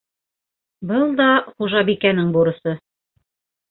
Был да хужабикәнең бурысы.